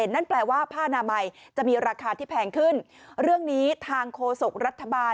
นั่นแปลว่าผ้านามัยจะมีราคาที่แพงขึ้นเรื่องนี้ทางโฆษกรัฐบาล